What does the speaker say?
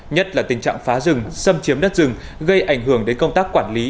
nhất là tình trạng phá rừng xâm chiếm đất rừng gây ảnh hưởng đến công tác quản lý